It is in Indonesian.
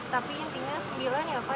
tapi intinya sembilan ya pak